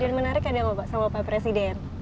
kejadian menarik ada gak pak sama pak presiden